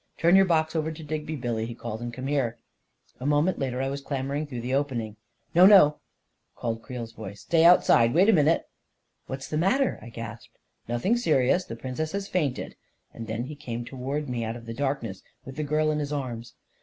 " Turn your box over to Digby, Billy," he called, 44 and come here." A moment later, I was clambering through the opening. 44 No, no !" called Creel's voice. " Stay outside — wait a minute !" 44 What's the matter ?" I gasped. 44 Nothing serious; the Princess has fainted," and then he came toward me out of the darkness, with the girl in his arms.